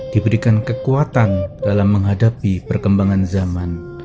diberikan kekuatan dalam menghadapi perkembangan zaman